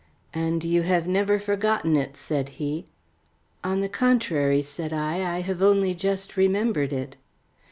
"And you have never forgotten it," said he. "On the contrary," said I, "I have only just remembered it."